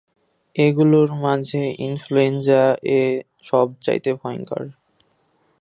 এগুলোর মাঝে ইনফ্লুয়েঞ্জা এ সব চাইতে ভয়ংকর।